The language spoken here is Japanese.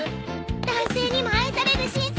男性にも愛されるしん様。